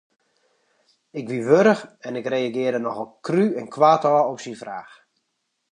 Ik wie warch en ik reagearre nochal krú en koartôf op syn fraach.